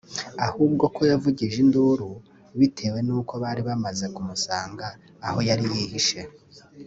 ahubwo ko yavugije induru bitewe n’uko bari bamaze kumusanga aho yari yihishe